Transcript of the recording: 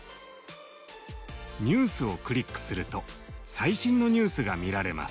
「Ｎｅｗｓ」をクリックすると最新のニュースが見られます。